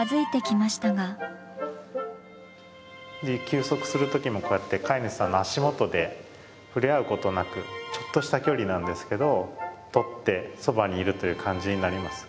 休息する時もこうやって飼い主さんの足元で触れ合うことなくちょっとした距離なんですけどとってそばにいるという感じになります。